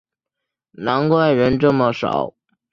难怪人这么少